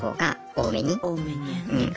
多めにやってくれる。